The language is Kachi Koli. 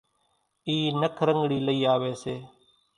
اِي نک رنڳڻِي لئِي آويَ سي۔